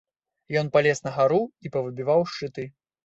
Ён палез на гару і павыбіваў шчыты.